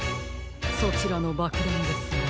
そちらのばくだんですが。